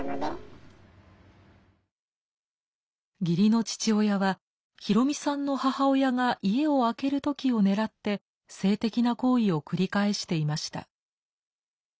義理の父親はヒロミさんの母親が家を空ける時を狙って性的な行為を繰り返していました。